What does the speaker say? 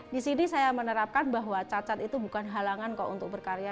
di sini saya menerapkan bahwa cacat itu bukan halangan kok untuk berkarya